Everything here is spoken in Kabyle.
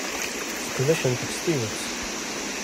Sqedcent-k s tidet.